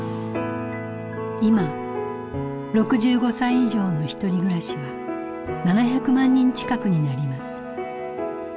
今６５歳以上のひとり暮らしは７００万人近くになります。